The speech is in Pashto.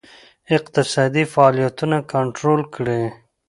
اقتصادي فعالیتونه کنټرول کړي.